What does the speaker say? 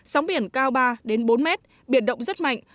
sóng biển cao ba bốn mét biển động rất mạnh